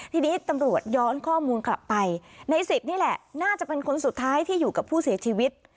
ทีนี้ตำรวจย้อนข้อมูลกลับไปในสิบนี่แหละน่าจะเป็นคนสุดท้ายที่อยู่กับผู้เสียชีวิต